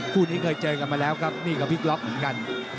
คู่นี้เคยเจอกันมาแล้วครับนี่ก็พลิกล็อกเหมือนกัน